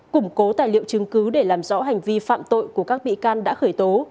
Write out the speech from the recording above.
củng cố tài liệu chứng cứ để làm rõ hành vi phạm tội của các bị can đã khởi tố